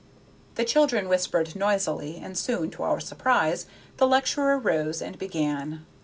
The children whispered noisily, and soon, to our surprise, the lecturer rose and began.